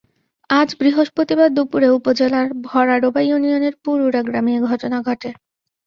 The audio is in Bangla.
আজ বৃহস্পতিবার দুপুরে উপজেলার ভরাডোবা ইউনিয়নের পুরুড়া গ্রামে এ ঘটনা ঘটে।